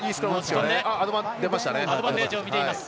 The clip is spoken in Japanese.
アドバンテージを見ています。